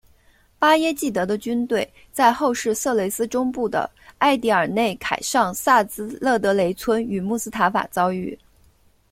巴耶济德的军队在后世色雷斯中部的埃迪尔内凯尚萨兹勒德雷村与穆斯塔法遭遇。